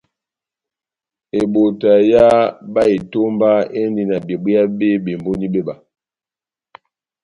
Ebota ya bá etomba éndi na bebwéya bé bemboni béba.